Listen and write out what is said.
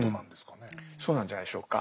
そうなんじゃないでしょうか。